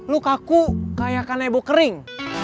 lo kaku kayak kanebo kering